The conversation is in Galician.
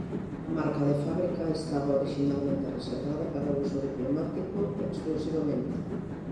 A marca de fábrica estaba orixinalmente reservada para o uso diplomático exclusivamente.